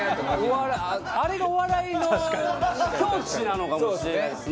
あれがお笑いの境地なのかもしれないですね。